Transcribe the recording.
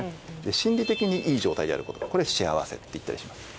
心理的にいい状態であることこれ幸せっていったりします。